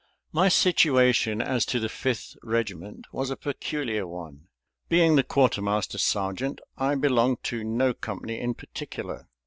My situation as to the Fifth Regiment was a peculiar one; being the quartermaster sergeant, I belonged to no company in particular.